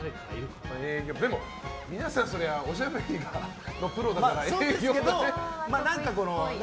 皆さん、そりゃおしゃべりのプロだから営業はね。